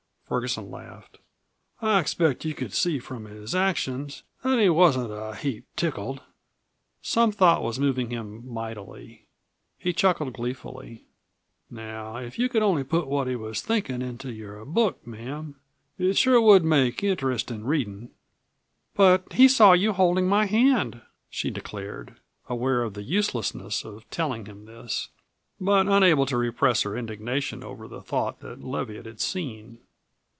Ferguson laughed. "I expect you could see from his actions that he wasn't a heap tickled." Some thought was moving him mightily. He chuckled gleefully. "Now if you could only put what he was thinkin' into your book, ma'am, it sure would make interestin' readin'." "But he saw you holding my hand!" she declared, aware of the uselessness of telling him this, but unable to repress her indignation over the thought that Leviatt had seen.